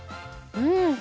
うん！